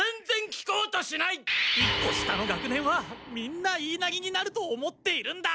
１個下の学年はみんな言いなりになると思っているんだ！